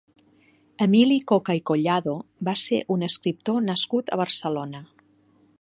Emili Coca i Collado va ser un escriptor nascut a Barcelona.